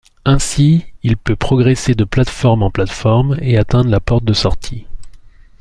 Ainsi, il peut progresser de plate-forme en plate-forme et atteindre la porte de sortie.